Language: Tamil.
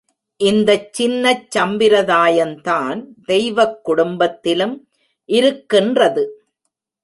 இந்தச் சின்னச் சம்பிரதாயந்தான் தெய்வக் குடும்பத்திலும் இருக்கின்றது.